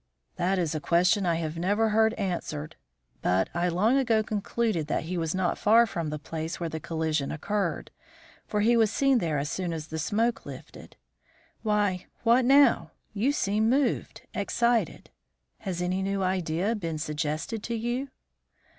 "That is a question I have never heard answered. But I long ago concluded that he was not far from the place where the collision occurred, for he was seen there as soon as the smoke lifted. Why, what now? You seem moved excited. Has any new idea been suggested to you?"